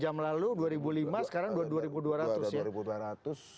jam lalu dua ribu lima sekarang dua ribu dua ratus ya